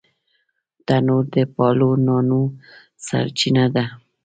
تنور د پالو نانو سرچینه ده